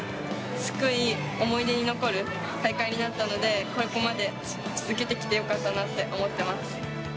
すごい思い出に残る大会になったので、ここまで続けてきてよかったなって思ってます。